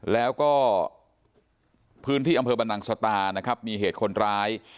แล้วก็พื้นที่อำเภอบรรนังสตานะครับมีเหตุคนร้าย